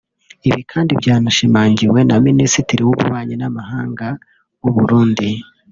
Ibi kandi byanashimangiwe na Minisitiri w’Ububanyi n’Amahanga w’u Burundi